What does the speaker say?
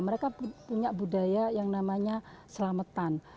mereka punya budaya yang namanya selamatan